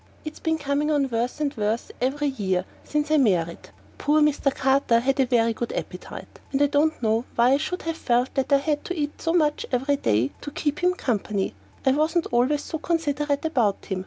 It's been coming on worse and worse every year since I married. Poor Mr. Carter had a very good appetite, and I don't know why I should have felt that I had to eat so much every day to keep him company; I wasn't always so considerate about him.